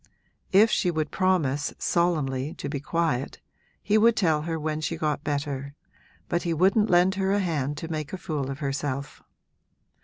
If she would promise, solemnly, to be quiet, he would tell her when she got better, but he wouldn't lend her a hand to make a fool of herself.